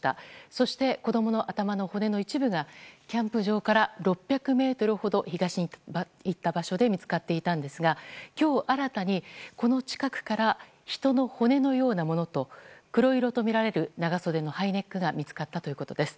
そして、子供の頭の骨の一部がキャンプ場から６００ｍほど東に行った場所で見つかっていたんですが今日新たに、この近くから人の骨のようなものと黒色とみられる長袖のハイネックが見つかったということです。